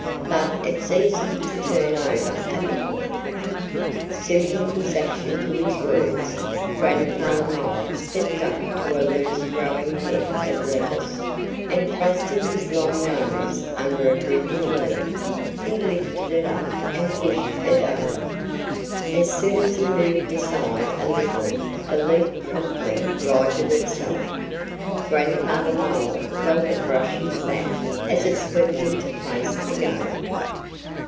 But it's easy to turn over a big one." Suiting his action to his words, Grandfather Mole stepped up to a loose growing head of lettuce, and thrusting his long nose under a drooping leaf he lifted it up and pushed it over. As soon as he moved aside a little the leaf promptly righted itself. Grandfather Mole felt it brush his back as it swept into place again.